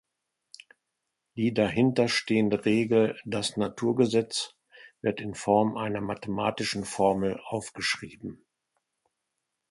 Die dahinter stehende Regel, das Naturgesetz, wird in Form einer mathematischen Formel aufgeschrieben.